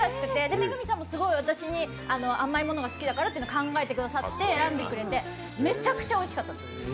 恵さんもすごい私に、甘いものが好きだからというのを考えて選んでくださってめちゃくちゃおいしかったんです。